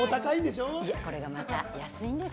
でもこれがまた安いんです。